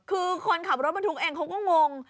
คือคนขับรถบรรทุกเองเขาก็งง